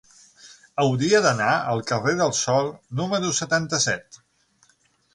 Hauria d'anar al carrer del Sol número setanta-set.